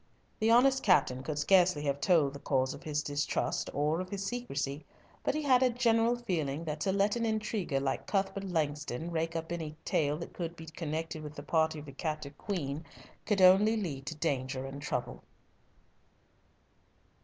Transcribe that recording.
The honest captain could scarcely have told the cause of his distrust or of his secrecy, but he had a general feeling that to let an intriguer like Cuthbert Langston rake up any tale that could be connected with the party of the captive queen, could only lead to danger and trouble.